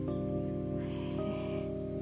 へえ。